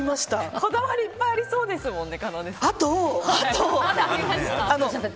こだわりいっぱいありそうですもんね。